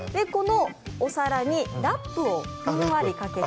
お皿にラップをふんわりかけて。